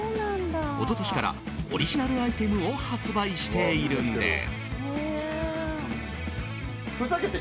一昨年からオリジナルアイテムを発売しているんです。